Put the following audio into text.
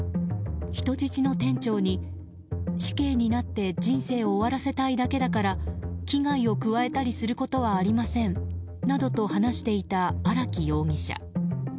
人質の店長に死刑になって人生を終わらせたいだけだから危害を加えたりすることはありませんなどと話していた荒木容疑者。